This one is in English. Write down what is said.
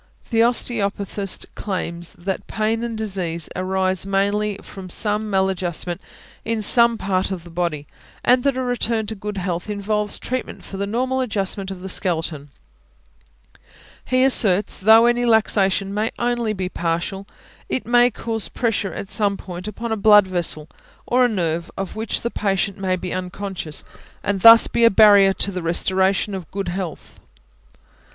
The osteopathist claims that pain and disease arise mainly from some mal adjustment in some part of the body, and that a return to good health involves treatment for the normal adjustment of the skeleton; he asserts, though any luxation may be only partial, it may cause pressure at some point upon a blood vessel, or a nerve of which the patient may be unconscious, and thus be a barrier to the restoration of good health.